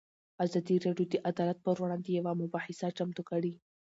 ازادي راډیو د عدالت پر وړاندې یوه مباحثه چمتو کړې.